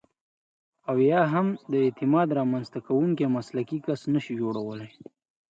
او یا هم د اعتماد رامنځته کوونکی مسلکي کس نشئ جوړولای.